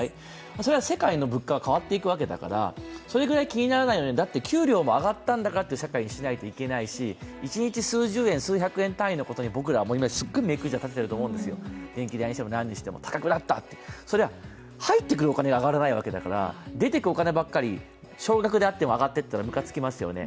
それは世界の物価が変わっていくわけだからそれぐらい気にならないのに給料が上がったんだからっていう社会にしないといけないし、一日数十円、数百円単位のことに僕らは今すごく目くじら立てていると思うんですよ、電気代にしても何にしても高くなったって、それは入ってくるお金は上がらないわけだから、出て行くお金ばかり、少額であっても上がったらむかつきますよね。